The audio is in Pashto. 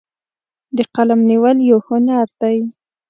د قلم نیول یو هنر دی.